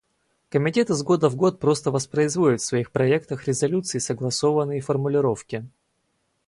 Комитет из года в год просто воспроизводит в своих проектах резолюций согласованные формулировки.